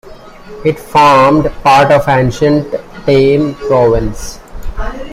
It formed part of ancient Tane Province.